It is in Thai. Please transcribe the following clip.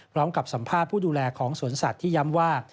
พร้อมกับสัมภาพผู้ดูแลของสวนสัตว์ที่ย้ำว่า